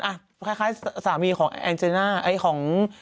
อ่ะคล้ายสามีของ